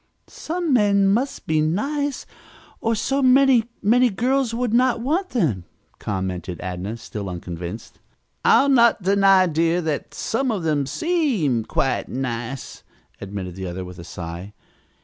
"Some men must be nice, or so many, many girls would not want them," commented Adnah, still unconvinced. "I'll not deny, dear, that some of them seem quite nice," admitted the other with a sigh.